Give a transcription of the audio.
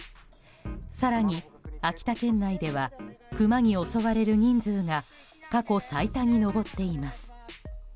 更に秋田県内ではクマに襲われる人数が過去最多に上っています。